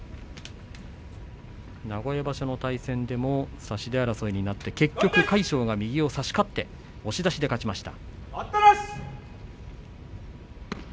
名古屋場所の対戦も差し手争いになって結局、魁勝が右を差し勝って押し出しで勝ちました。